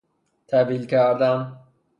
طویل کردن